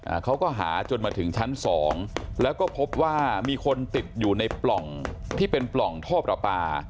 อ่าเขาก็หาจนมาถึงชั้นสองแล้วก็พบว่ามีคนติดอยู่ในปล่องที่เป็นปล่องท่อประปา